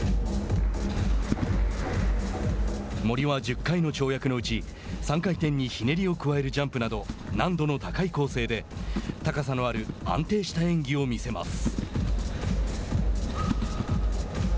森は１０回の跳躍のうち３回転にひねりを加えるジャンプなど難度の高い構成で高さのある安定した演技を見せます。５６．２３０